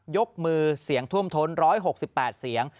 ยกมือเสียงท่วมท้น๑๖๘เสียง